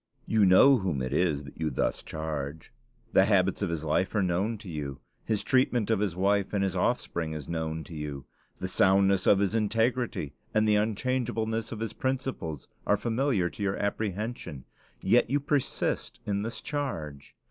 You know whom it is that you thus charge. The habits of his life are known to you; his treatment of his wife and his offspring is known to you; the soundness of his integrity and the unchangeableness of his principles are familiar to your apprehension: yet you persist in this charge!